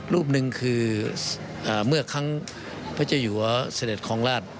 รูปหนึ่งคือเมื่อครั้งพระเจ้าอยู่เสด็จของราช